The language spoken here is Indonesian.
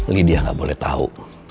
lydia gak boleh tahu